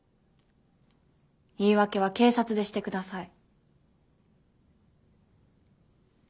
言い訳は警察でして下さい。